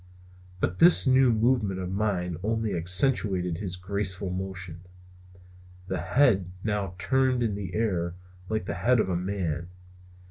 But this new movement of mine only accentuated his graceful motion. The head now turned in the air, like the head of a man.